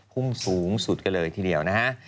พุ่งสูงสุดกันเลยทีเดียวนะฮะ